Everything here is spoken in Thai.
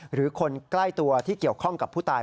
หรือคนใกล้ตัวที่เกี่ยวข้องกับผู้ตาย